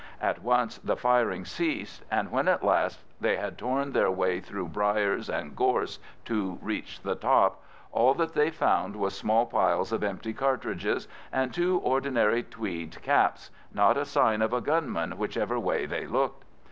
At once the firing ceased, and when at last they had torn their way through briars and gorse to reach the top, all that they found was small piles of empty cartridges and two ordinary tweed caps—not a sign of a gunman whichever way they looked.